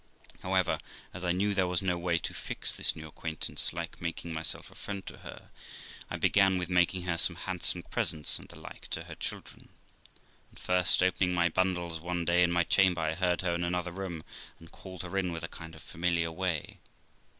However, as I knew there was no way to fix this new acquaintance like making myself a friend to her, I began with making her some handsome presents and the like to her children. And first, opening my bundles one day in my chamber, I heard her in another room, and called her in with a kind of familiar way.